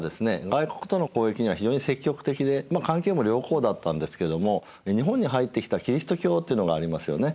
外国との交易には非常に積極的で関係も良好だったんですけども日本に入ってきたキリスト教というのがありますよね。